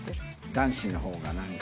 男子の方がなんか。